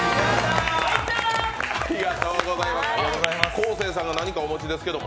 昴生さんが何かお持ちですけど。